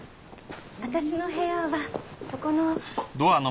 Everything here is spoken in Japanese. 私の部屋はそこの。